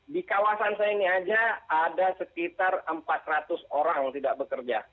di kawasan saya ini aja ada sekitar empat ratus orang tidak bekerja